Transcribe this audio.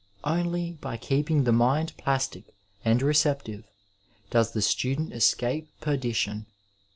Only by keeping the mind plastic and receptive does the student escape perdition.